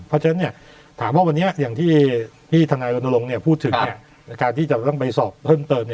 เพราะฉะนั้นถามว่าที่พี่ทางานโรณรงค์พูดถึงการจัดการณ์ใบสอบเพิ่มเติม